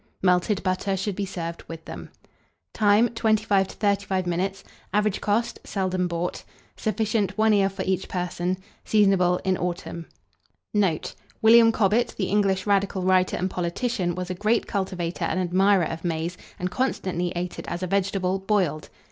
Melted butter should be served with them. Time. 25 to 35 minutes. Average cost. Seldom bought. Sufficient, 1 ear for each person. Seasonable in autumn. Note. William Cobbett, the English radical writer and politician, was a great cultivator and admirer of maize, and constantly ate it as a vegetable, boiled.